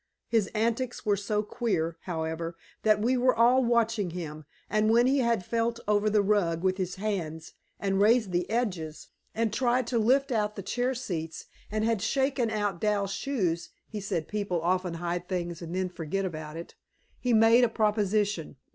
His antics were so queer, however, that we were all watching him, and when he had felt over the rug with his hands, and raised the edges, and tried to lift out the chair seats, and had shaken out Dal's shoes (he said people often hid things and then forgot about it), he made a proposition.